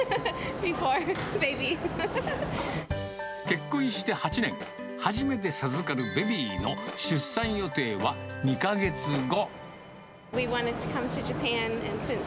結婚して８年、初めて授かるベビーの出産予定は２か月後。